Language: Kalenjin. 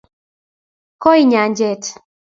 koi nyanjet